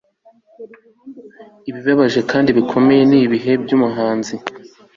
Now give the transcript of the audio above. birababaje kandi bikomeye ni ibihe byumuhanzi